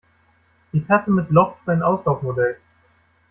Die Tasse mit Loch ist ein Auslaufmodell.